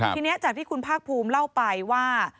ทีนี้จากที่คุณภาคภูมิเล่าไปว่า